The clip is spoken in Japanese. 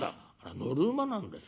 「乗る馬なんですか。